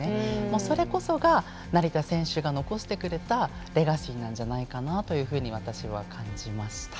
それこそが成田選手が残してくれたレガシーなんじゃないかなと私は感じました。